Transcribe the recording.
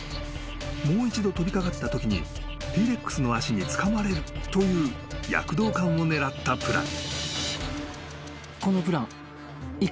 ［もう一度飛び掛かったときにＴ−レックスの足につかまれるという躍動感を狙ったプラン］